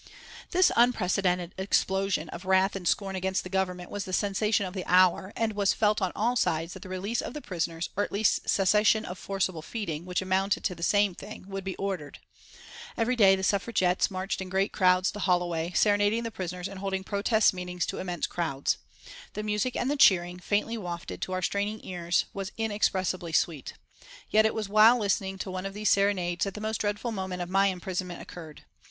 This unprecedented explosion of wrath and scorn against the Government was the sensation of the hour, and it was felt on all sides that the release of the prisoners, or at least cessation of forcible feeding, which amounted to the same thing, would be ordered. Every day the Suffragettes marched in great crowds to Holloway, serenading the prisoners and holding protest meetings to immense crowds. The music and the cheering, faintly wafted to our straining ears, was inexpressibly sweet. Yet it was while listening to one of these serenades that the most dreadful moment of my imprisonment occurred.